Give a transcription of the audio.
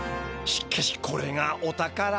しっかしこれがお宝？